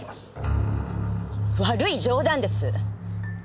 悪い冗談です！